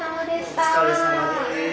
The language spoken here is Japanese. お疲れさまです。